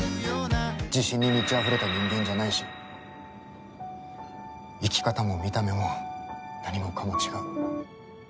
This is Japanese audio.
自信に満ちあふれた人間じゃないし生き方も見た目も何もかも違う。